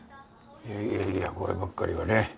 いやいやいやこればっかりはね